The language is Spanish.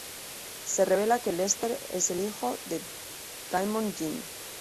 Se revela que Lester es el hijo de Diamond Jim.